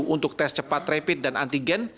untuk tes cepat rapid dan antigen